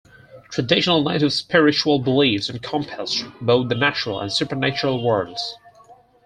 Traditional native spiritual beliefs encompassed both the natural and supernatural worlds.